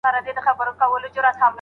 الوتني یې کولې و هر لورته